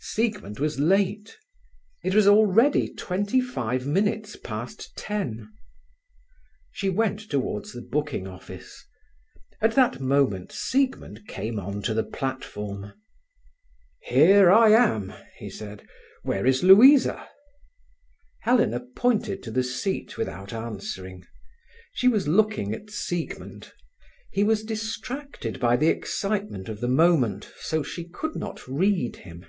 Siegmund was late. It was already twenty five minutes past ten. She went towards the booking office. At that moment Siegmund came on to the platform. "Here I am!" he said. "Where is Louisa?" Helena pointed to the seat without answering. She was looking at Siegmund. He was distracted by the excitement of the moment, so she could not read him.